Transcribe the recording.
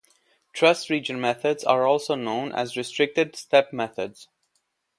Trust region methods are also known as restricted step methods.